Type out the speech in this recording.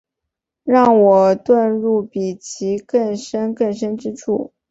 让我遁入比更深更深之处